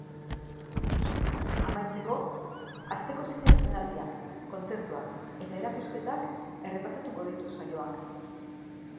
Amaitzeko, asteko zine estreinaldiak, kontzertuak eta erakusketak errepasatuko ditu saioak.